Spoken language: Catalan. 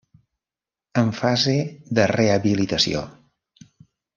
En fase de rehabilitació.